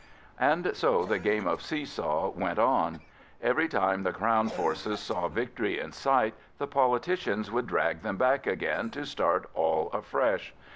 And so the game of seesaw went on. Every time that the Crown forces saw victory in sight the politicians would drag them back again to start all afresh.